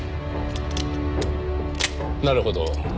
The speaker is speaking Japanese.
なるほど。